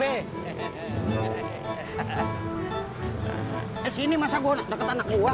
eh sini masa gue nak deket anak buah gue sih